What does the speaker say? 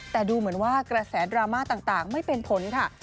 แต่ดูเหมือนว่ากระแสดราม่าต่างไม่เป็นผลค่ะ